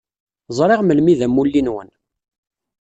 Zṛiɣ melmi i d amulli-nwen.